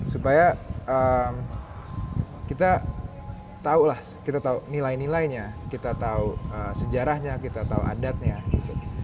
supaya kita tahu lah kita tahu nilai nilainya kita tahu sejarahnya kita tahu adatnya gitu